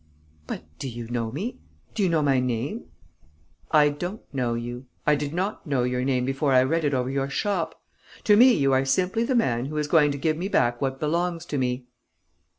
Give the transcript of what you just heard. "But do you know me? Do you know my name?" "I don't know you. I did not know your name before I read it over your shop. To me you are simply the man who is going to give me back what belongs to me."